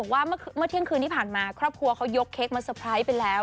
ว่าเมื่อเที่ยงคืนที่ผ่านมาครอบครัวเขายกเค้กมาเตอร์ไพรส์ไปแล้ว